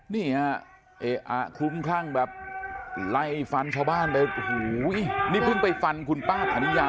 นี่อ่ะเอ๋อคุ้มข้างแบบไล่ฟันชาวบ้านไปโหนี่เพิ่งไปฟันคุณป้าธรรมดียา